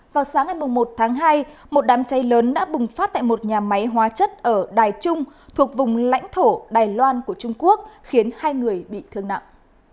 vào sáng ngày một tháng hai một đám cháy lớn đã bùng phát tại một nhà máy hóa chất ở đài trung thuộc vùng lãnh thổ đài loan của trung quốc khiến hai người bị thương nặng